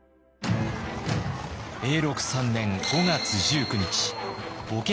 永禄３年５月１９日